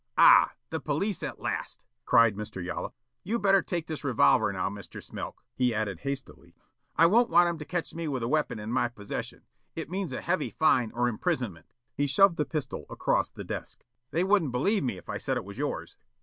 "Ah, the police at last," cried Mr. Yollop. "You'd better take this revolver now, Mr. Smilk," he added hastily. "I won't want 'em to catch me with a weapon in my possession. It means a heavy fine or imprisonment." He shoved the pistol across the desk. "They wouldn't believe me if I said it was yours."